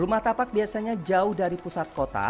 rumah tapak biasanya jauh dari pusat kota